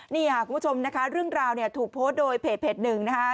นี่ค่ะคุณผู้ชมนะคะเรื่องราวเนี่ยถูกโพสต์โดยเพจหนึ่งนะคะ